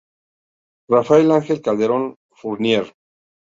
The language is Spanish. Rafael Ángel Calderón Fournier.